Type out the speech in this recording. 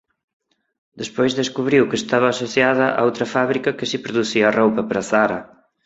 Despois descubriu que estaba asociada a outra fábrica que si producía roupa para Zara.